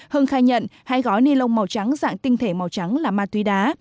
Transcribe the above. hưng khai nhận hai gói ni lông màu trắng dạng tinh thể màu trắng là ma túy đá